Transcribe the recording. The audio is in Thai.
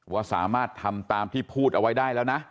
ว่าสามารถทำตามที่พูดเอาไว้ได้แล้วนะ